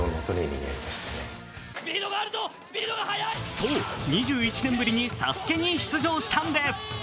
そう２１年ぶりに「ＳＡＳＵＫＥ」に出場したんです。